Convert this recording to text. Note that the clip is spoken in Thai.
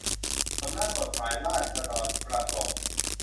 สำนักกฎหมายราษฏรประสงค์